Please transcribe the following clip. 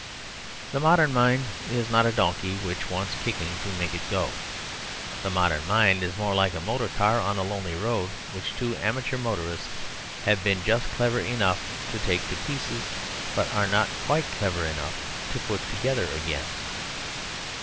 The modern mind is not a donkey which wants kicking to make it go on. The modern mind is more like a motor car on a lonely road which two amateur motorists have been just clever enough to take to pieces, but are not quite clever enough to put together again.